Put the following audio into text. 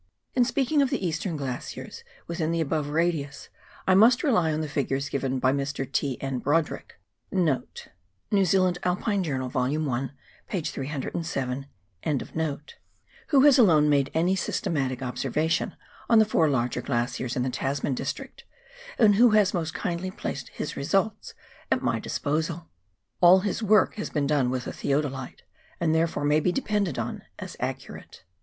In speaking of the eastern glaciers within the above radius I must rely on the figures given by Mr. T. N. Brodrick,* who has alone made any systematic observation on the four larger glaciers in the Tasman district, and who has most kindly placed his results at my disposal. All his work has been done with a theodolite, and therefore may be depended on as accurate.